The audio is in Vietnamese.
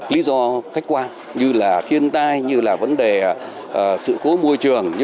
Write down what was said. lý do khách quan như là thiên tai như là vấn đề sự cố môi trường